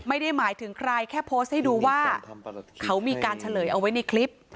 ไม่ได้หมายถึงใครแค่โพสต์ให้ดูว่าเขามีการเฉลยเอาไว้ในคลิป